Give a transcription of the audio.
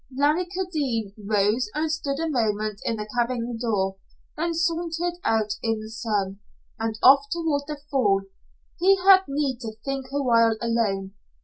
Larry Kildene rose and stood a moment in the cabin door, then sauntered out in the sun, and off toward the fall. He had need to think a while alone.